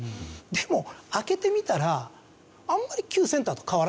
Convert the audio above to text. でも開けてみたらあんまり。